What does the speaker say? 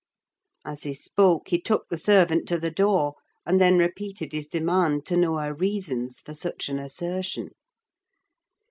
As he spoke he took the servant to the door, and then repeated his demand to know her reasons for such an assertion.